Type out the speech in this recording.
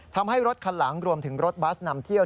ทำให้รถคันหลังรวมถึงรถบัสนำเที่ยว